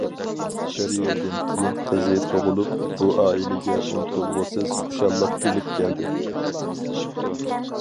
بىر يىلدىن كېيىن قىزى تۇغۇلۇپ، بۇ ئائىلىگە ئۇنتۇلغۇسىز خۇشاللىق ئېلىپ كەلدى.